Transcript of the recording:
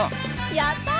やったあ！